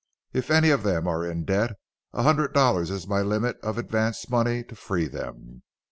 If any of them are in debt, a hundred dollars is my limit of advance money to free them.